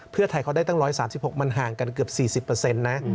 เพื่อไทยเขาได้ตั้ง๑๓๖มันห่างกันเกือบ๔๐นะ